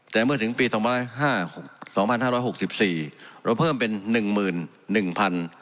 แต่เมื่อถึงปีสองพันห้าห้าสิบสี่เราเพิ่มเป็นหนึ่งหมื่นหนึ่งพัน